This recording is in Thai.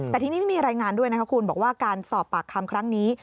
แต่ทีนี้ไม่มีรายงานด้วยนะคะคุณบอกว่าการสอบปากคำครั้งนี้